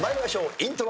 イントロ。